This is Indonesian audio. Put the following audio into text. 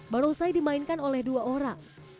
barongsai dimainkan oleh dua orang